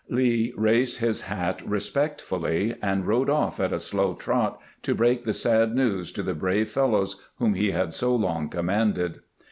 Lee raised his hat respectfully, and rode off at a slow trot to break the sad news to the brave fellows whom he had so long commanded.